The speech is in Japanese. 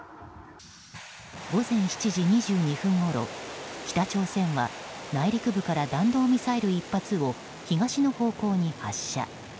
午前７時２２分ごろ北朝鮮は内陸部から弾道ミサイル１発を東の方向に発射。